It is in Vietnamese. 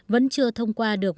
vẫn chưa thông qua được